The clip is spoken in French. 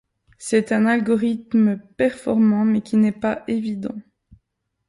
C'est un algorithme performant, mais qui n'est pas évident.